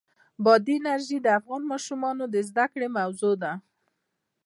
بادي انرژي د افغان ماشومانو د زده کړې موضوع ده.